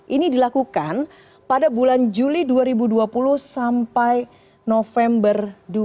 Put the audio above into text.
ini dilakukan pada bulan juli dua ribu dua puluh sampai november dua ribu dua puluh